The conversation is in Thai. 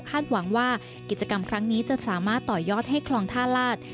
หวังว่ากิจกรรมครั้งนี้จะสามารถต่อยอดให้คลองท่าลาศ